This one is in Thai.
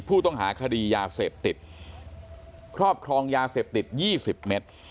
ผู้ต้องหาคดียาเสพติดครอบครองยาเสพติด๒๐เมตร